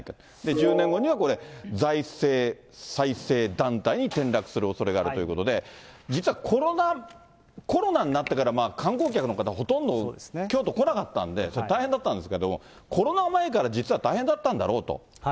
１０年後にはこれ、財政再生団体に転落するおそれがあるということで、実はコロナになってから、観光客の方、ほとんど京都来なかったんで、大変だったんですけど、コロナ前から実は大変だったんだろうと。